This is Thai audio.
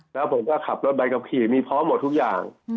แล้วผมก็ขับรถใบขับขี่มีพร้อมหมดทุกอย่าง